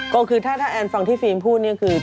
ก็คือถ้าแอนฟังที่ฟิล์มพูดเนี่ยคือ